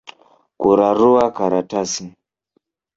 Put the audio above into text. Kurarua karatasi